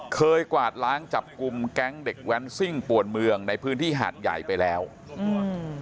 กวาดล้างจับกลุ่มแก๊งเด็กแว้นซิ่งป่วนเมืองในพื้นที่หาดใหญ่ไปแล้วอืม